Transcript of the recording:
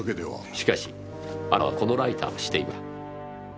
しかしあなたはこのライターを知っていました。